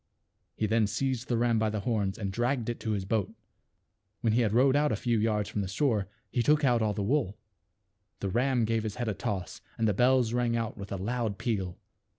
He then seized the ram by the horns and dragged it to his boat. When he had rowed out a few yards from the 248 THE WITCH'S TREASURES. shore he took out all the wool. The ram gave his head a toss and the bells rang out with a loud peal.